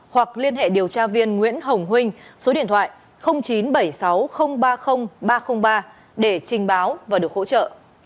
hoặc liên hệ điều tra viên nguyễn hồng huynh số điện thoại chín trăm bảy mươi sáu ba mươi ba trăm linh ba để trình báo và được hỗ trợ